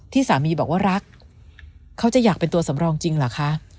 ที่สามีบอกว่ารักเขาจะอยากเป็นตัวสำรองจริงเหรอคะ